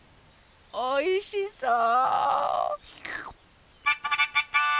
おいしそう。